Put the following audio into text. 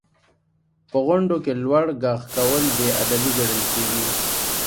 • په غونډو کې لوړ ږغ کول بې ادبي ګڼل کېږي.